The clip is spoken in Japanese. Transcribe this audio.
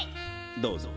どうぞ。